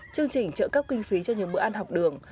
chương trình trợ cấp kinh phí cho những bữa ăn học đường